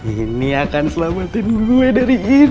ini akan selamatin gue dari kita